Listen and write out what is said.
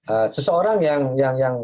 ee seseorang yang yang yang